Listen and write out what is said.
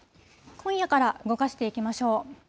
今夜から動かしていきましょう。